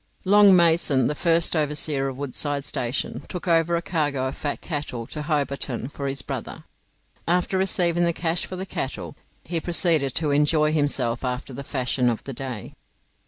Long Mason, the first overseer of Woodside Station, took over a cargo of fat cattle to Hobarton for his brother. After receiving the cash for the cattle he proceeded to enjoy himself after the fashion of the day.